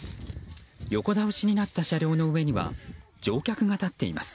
横倒しになった車両の上には乗客が立っています。